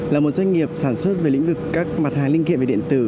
là một doanh nghiệp sản xuất về lĩnh vực các mặt hàng linh kiện về điện tử